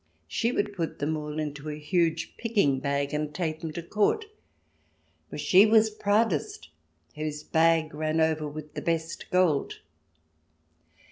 She would put them all into a huge picking bag, and take them to Court, where she was proudest whose bag ran over with the best gold.